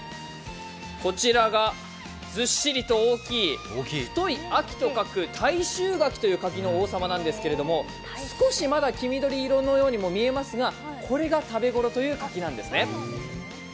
こちらがずっしりと大きい、「太い秋」と書く「太秋」柿というものですが少しまだ黄緑色のように見えますがこれが食べ頃の柿なんですね。